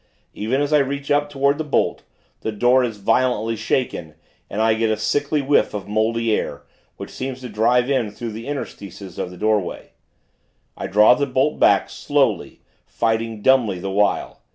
Even as I reach up toward the bolt, the door is violently shaken, and I get a sickly whiff of mouldy air, which seems to drive in through the interstices of the doorway. I draw the bolt back, slowly, fighting, dumbly, the while.